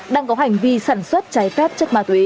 đang có hành vi sản xuất trái phép chất ma túy